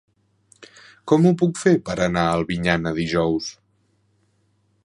Com ho puc fer per anar a Albinyana dijous?